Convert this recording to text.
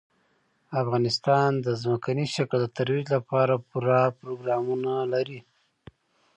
افغانستان د ځمکني شکل د ترویج لپاره پوره پروګرامونه لري.